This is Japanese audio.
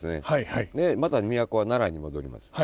また都は奈良に戻ります。